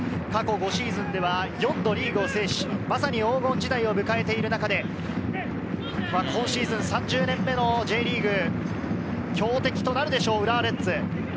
過去５シーズンでは４度リーグを制し、まさに黄金時代を迎えている中で、今シーズン３０年目のＪリーグ、強敵となるでしょう、浦和レッズ。